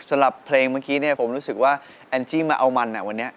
สำหรับเพลงเมื่อกี้เนี่ยผมรู้สึกว่าแอนจี้มาเอามันวันนี้